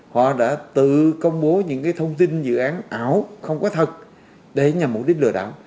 họ đã tự công bố những thông tin dự án ảo không có thật để nhằm mục đích lừa đảo